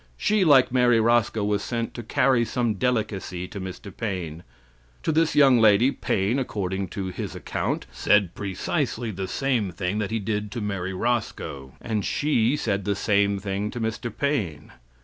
She, like Mary Roscoe, was sent to carry some delicacy to Mr. Paine. To this young lady Paine, according to his account, said precisely the same that he did to Mary Roscoe, and she said the same thing to Mr. Paine.